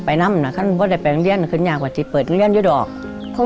เพราะแต่แปลงเรียนคืออย่างกว่าที่เปิดเรียนยังยังอยู่ดอก